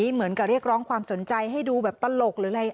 เหมือนกับเรียกร้องความสนใจให้ดูแบบตลกหรืออะไร